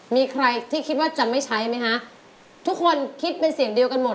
มีใครที่คิดว่าจะไม่ใช้ไหมฮะ